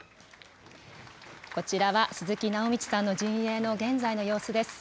こちらは鈴木直道さんの陣営の現在の様子です。